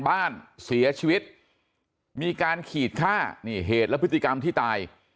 บ้านเสียชีวิตมีการขีดค่านี่เหตุและพฤติกรรมที่ตาย